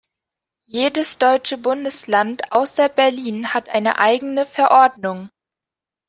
Jedes deutsche Bundesland außer Berlin hat eine eigene Verordnung.